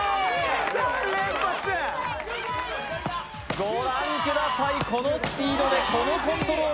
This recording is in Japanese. ご覧ください、このスピードでこのコントロール。